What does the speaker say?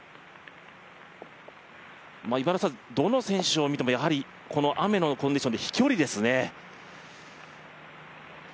どの選手を見てもこの雨のコンディションで飛距離ですね。